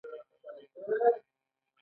خو د ډبرو سکاره د اومې مادې یوه بیلګه ده.